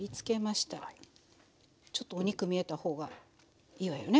ちょっとお肉見えた方がいいわよね？